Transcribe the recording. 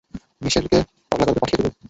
মিশেলকে পাগলা গারদে পাঠিয়ে দেবে?